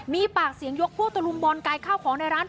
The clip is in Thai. มีปากเสียงยกพวกตะลุมบอลกายข้าวของในร้าน